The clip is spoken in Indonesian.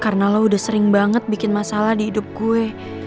karena lo udah sering banget bikin masalah di hidup gue